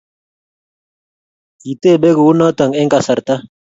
Kitebe kounoto eng kasarta